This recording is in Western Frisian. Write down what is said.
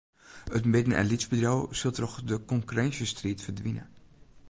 It midden- en lytsbedriuw sil troch de konkurrinsjestriid ferdwine.